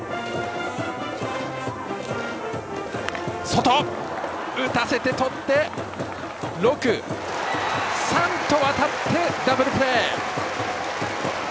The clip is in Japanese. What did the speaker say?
外、打たせてとって６−３と渡ってダブルプレー！